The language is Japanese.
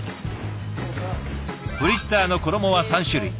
フリッターの衣は３種類。